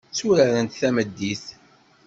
Tturarent tameddit.